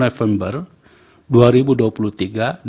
dan pada tahun dua ribu dua puluh tiga